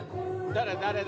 誰？